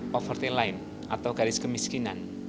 poverty line atau garis kemiskinan